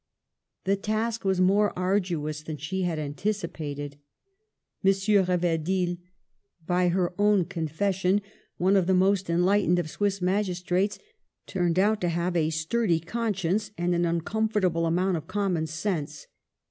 The task was more arduous than she had antic ipated. M. Reverdil (by her own confession one of the most enlightened of Swiss magistrates) turned out to have a sturdy conscience and an uncomfortable amount of common sense.